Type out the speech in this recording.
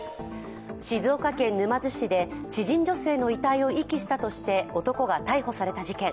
静岡県沼津市で知人女性の遺体を遺棄したとして男が逮捕された事件。